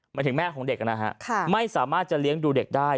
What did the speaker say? หมายถึงแม่ของเด็กนะฮะไม่สามารถจะเลี้ยงดูเด็กได้